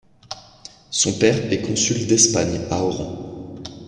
Son père est consul d'Espagne à Oran.